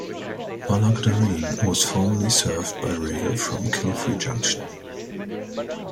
Ballaghaderreen was formerly served by rail from Kilfree Junction.